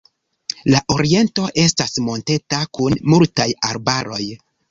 La oriento estas monteta kun multaj arbaroj.